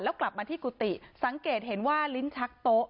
แล้วกลับมาที่กุฏิสังเกตเห็นว่าลิ้นชักโต๊ะ